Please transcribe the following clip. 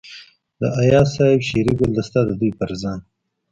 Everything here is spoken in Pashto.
د اياز صيب شعري ګلدسته دَ دوي فرزند